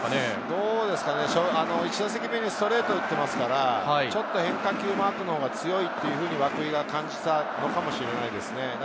どうですかね、１打席目にストレートを打ってますから、ちょっと変化球マークのほうが強いと涌井が感じたのかもしれないですね。